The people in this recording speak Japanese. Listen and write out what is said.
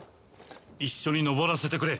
一緒に登らせてくれ。